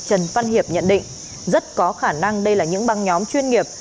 trần văn hiệp nhận định rất có khả năng đây là những băng nhóm chuyên nghiệp